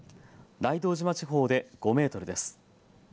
大東島地方で５メートルです。